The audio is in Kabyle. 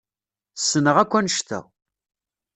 Ssneɣ akk anect-a.